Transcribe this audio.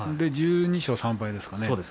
１２勝３敗ですよね。